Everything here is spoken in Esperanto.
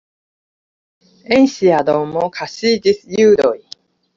En ŝia domo kaŝiĝis judoj.